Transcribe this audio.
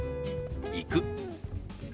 「行く」。